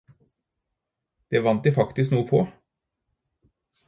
Det vant de faktisk noe på.